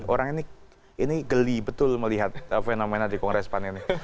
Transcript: orang ini geli betul melihat fenomena di kongres pan ini